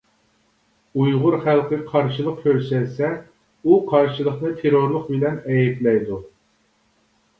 ئۇيغۇر خەلقى قارشىلىق كۆرسەتسە، ئۇ قارشىلىقنى تېررورلۇق بىلەن ئەيىبلەيدۇ.